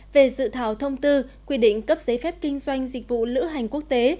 về dự thảo thông tư quy định cấp giấy phép kinh doanh dịch vụ lữ hành quốc tế